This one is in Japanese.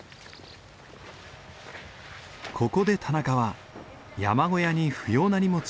ここで田中は山小屋に不要な荷物を預ける事にした。